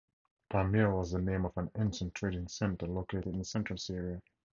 Palmyra was the name of an ancient trading center located in central Syria.